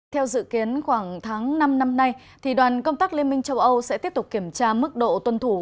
theo dự kiến khoảng tháng năm năm nay đoàn công tác liên minh châu âu sẽ tiếp tục kiểm tra mức độ tuân thủ